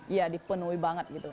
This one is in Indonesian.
iya dipenuhi banget gitu